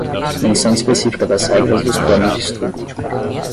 Menção específica das regras dos planos de estudo.